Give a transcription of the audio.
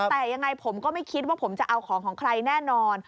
แต่ยังไงผมก็ไม่คิดว่าผมจะเอาของของใครแน่นอน